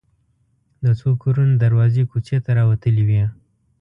د څو کورونو دروازې کوڅې ته راوتلې وې.